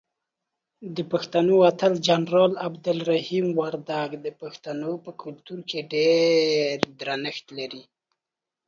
دپښتنو اتل جنرال عبدالرحیم وردک دپښتنو په کلتور کې ډیر درنښت دی.